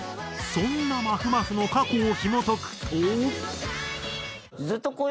そんなまふまふの過去をひもとくと。